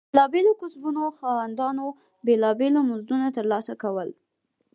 بېلابېلو کسبونو خاوندانو بېلابېل مزدونه ترلاسه کول.